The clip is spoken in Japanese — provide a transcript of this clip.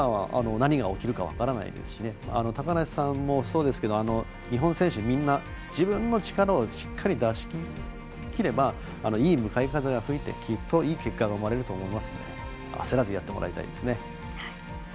何が起きるか分からないですし高梨さんもそうですけど日本選手みんな自分の力をしっかり出しきればいい向かい風が吹いてきっと、いい結果が生まれると思いますので、焦らずやってもらいたいですね。